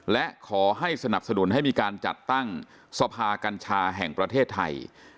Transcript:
และขอให้สนับสนุนให้มีการจัดตั้งสภากัญชาแห่งประเทศไทย